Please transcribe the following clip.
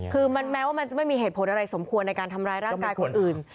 คือมันแม้ว่ามันจะไม่มีเหตุผลอะไรสมควรในการทำร้ายร่างกายคนอื่น